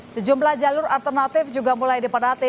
sejumlah jalur alternatif juga mulai dipadati